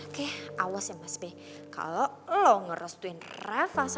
oke awas ya mas be kalau lo ngerestuin reva gue akan menangis lo aja deh yaa